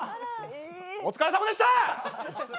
お疲れ様でした。